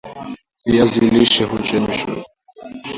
viazi lishe huchemshwa